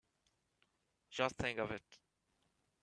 Just think of it!